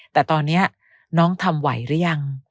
แต่ตอนนี้น้องทำไหวหรือยัง